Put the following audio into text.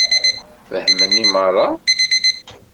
Fehmen i meṛṛa?